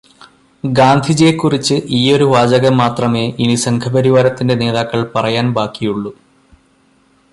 ഗാന്ധിജിയെക്കുറിച്ച് ഈയൊരു വാചകം മാത്രമേ ഇനി സംഘപരിവാരത്തിന്റെ നേതാക്കൾ പറയാൻ ബാക്കിയുള്ളൂ.